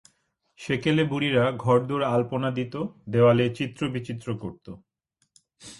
সেকেলে বুড়ীরা ঘরদোর আলপনা দিত, দেওয়ালে চিত্রবিচিত্র করত।